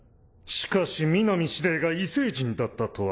しかし南司令が異星人だったとは。